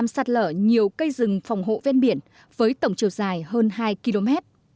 sở nhiều cây rừng phòng hộ ven biển với tổng chiều dài hơn hai km